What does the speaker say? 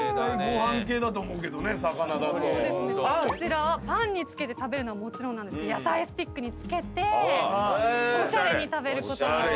こちらはパンにつけて食べるのはもちろんなんですけど野菜スティックにつけておしゃれに食べることも。